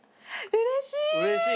うれしい。